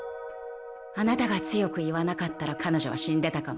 あなたが強く言わなかったら彼女は死んでたかも。